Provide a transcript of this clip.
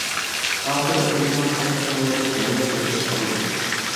ئاخىرى ئۆزىنىڭ قەدىر-قىممىتى تۆۋەنلەپ يالغۇز قالىدۇ.